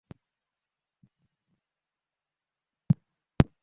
সাথী মণি কাজের পাশাপাশি জামির সরকারি প্রাথমিক বিদ্যালয়ের চতুর্থ শ্রেণিতে পড়াশোনা করছিল।